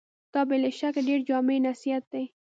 دا بې له شکه ډېر جامع نصيحت دی.